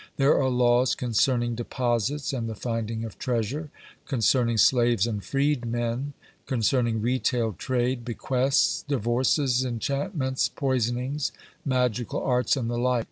There are laws concerning deposits and the finding of treasure; concerning slaves and freedmen; concerning retail trade, bequests, divorces, enchantments, poisonings, magical arts, and the like.